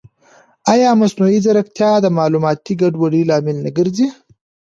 ایا مصنوعي ځیرکتیا د معلوماتي ګډوډۍ لامل نه ګرځي؟